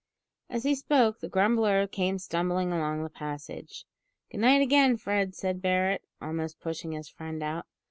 As he spoke, the grumbler came stumbling along the passage. "Good night again, Fred," said Barret, almost pushing his friend out.